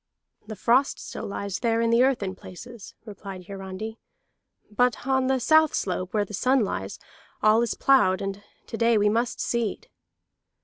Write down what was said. "The frost still lies there in the earth in places," replied Hiarandi. "But on the south slope, where the sun lies, all is ploughed and to day we must seed."